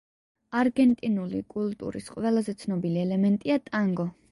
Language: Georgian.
არგენტინული კულტურის ყველაზე ცნობილი ელემენტია ტანგო.